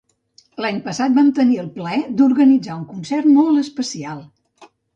L'any passat vam tenir el plaer d'organitzar un concert molt especial.